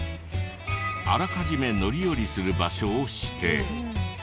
あらかじめ乗り降りする場所を指定。